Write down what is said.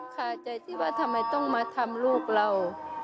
คาใจที่ว่าทำไมต้องมาทำลูกเรา